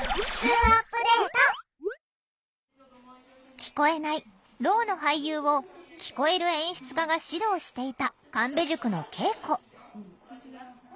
聞こえないろうの俳優を聞こえる演出家が指導していた神戸塾の稽古